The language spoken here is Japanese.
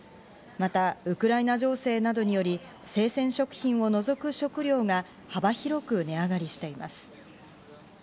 またウクライナ情勢などにより生鮮食品を除く食料が幅広く値上がりしています。